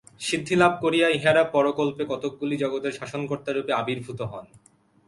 সিদ্ধিলাভ করিয়া ইঁহারা পরকল্পে কতকগুলি জগতের শাসনকর্তারূপে আবির্ভূত হন।